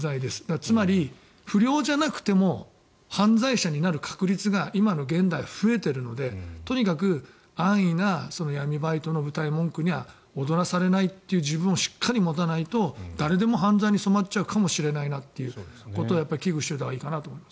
つまり、不良じゃなくても犯罪者になる確率が今の現代は増えているのでとにかく安易な闇バイトのうたい文句には踊らされないという自分をしっかり持たないと誰でも犯罪に染まっちゃうかもしれないなということを危惧しておいたほうがいいかなと思います。